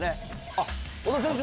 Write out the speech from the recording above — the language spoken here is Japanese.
あっ、小田選手